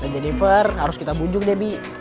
jennifer harus kita bunjuk deh bi